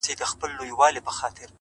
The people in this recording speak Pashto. د دوزخي حُسن چيرمني جنتي دي کړم،